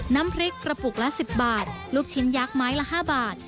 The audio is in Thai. น้ำพริกกระปุกละ๑๐บาทลูกชิ้นยักษ์ไม้ละ๕บาท